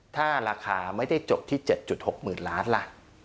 ถ้าราคาไม่ได้จบที่๗๖๐๐๐ล้านล่ะ